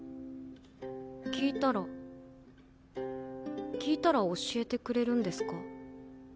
聞いたら聞いたら教えてくれるんですか？